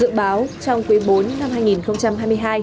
dự báo trong quý bốn năm hai nghìn hai mươi hai